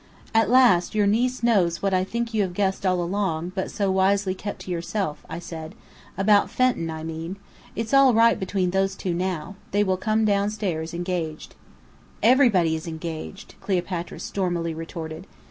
"At last your niece knows what I think you have guessed all along, but so wisely kept to yourself," I said. "About Fenton, I mean. It's all right between those two now. They will come downstairs engaged." "Everybody is engaged!" Cleopatra stormily retorted.